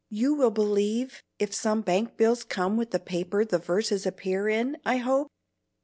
You will believe if some bank bills come with the paper the verses appear in, I hope?"